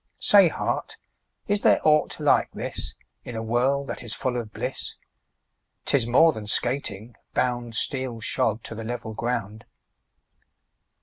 Say, heart, is there aught like this In a world that is full of bliss? 'Tis more than skating, bound 15 Steel shod to the level ground.